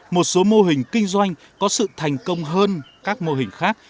một số mô hình kinh doanh có sự thành công hơn các mô hình khác